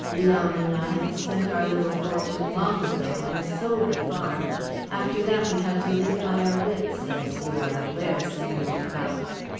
Leon and I had spent our little fortune long ago and sold the farm. After that we had to live by our wits, as you are aware, Signor Prout.